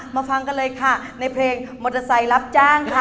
ฟังกันเลยค่ะในเพลงมอเตอร์ไซค์รับจ้างค่ะ